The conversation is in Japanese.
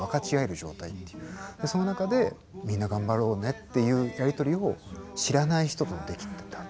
その中でみんな頑張ろうねっていうやり取りを知らない人とできた。